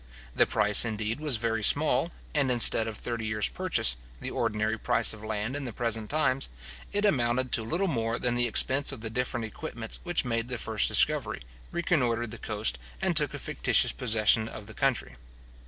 The price, indeed, was very small, and instead of thirty years purchase, the ordinary price of land in the present times, it amounted to little more than the expense of the different equipments which made the first discovery, reconnoitered the coast, and took a fictitious possession of the country.